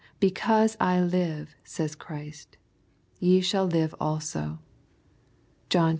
^' Because I live," says Christ, " ye shall live also/' (John xiv.